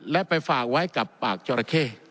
และไปฝากไว้กับปากจราเข้